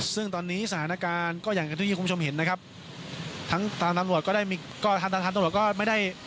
ซึ่งตอนนี้สถานการณ์ก็อย่างที่คุณผู้ชมเห็นนะครับ